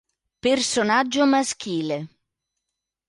Personaggio maschile.